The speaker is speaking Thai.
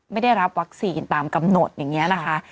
ไม่ได้รับวัคซีนตามกำหนดอย่างนี้นะคะ